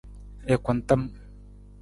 I kuntam.